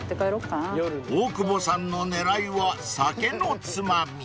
［大久保さんの狙いは酒のつまみ］